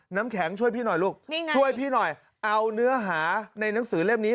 น้ำแข็งช่วยพี่หน่อยลูกนี่ไงช่วยพี่หน่อยเอาเนื้อหาในหนังสือเล่มนี้